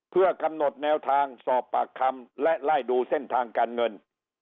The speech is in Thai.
เพื่อกำหนดแนวทางสอบปากคำและไล่ดูเส้นทางการเงิน